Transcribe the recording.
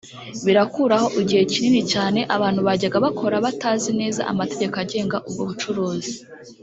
Birakuraho igihe kinini cyane abantu bajyaga bakora batazi neza amategeko agenga ubwo bucuruzi